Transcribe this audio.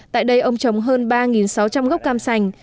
tại đây ông trồng hơn ba sáu trăm linh gốc cam sành